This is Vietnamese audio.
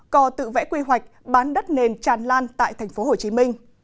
cò tự vẽ quy hoạch bán đất nền tràn lan tại tp hcm